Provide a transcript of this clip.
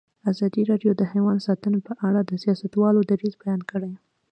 ازادي راډیو د حیوان ساتنه په اړه د سیاستوالو دریځ بیان کړی.